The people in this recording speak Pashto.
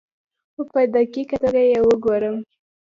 څو په دقیقه توګه یې وګورم.